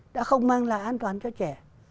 đã không mang lại an toàn cho trẻ